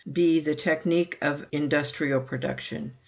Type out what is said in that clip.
"(b) The technique of industrial production.